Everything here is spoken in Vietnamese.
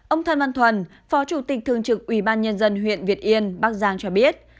ông thần văn thuần phó chủ tịch thương trực ubnd huyện việt yên bắc giang cho biết